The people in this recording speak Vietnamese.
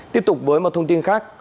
tiếp tục với một thông tin khác